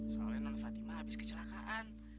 soalnya non fatima habis kecelakaan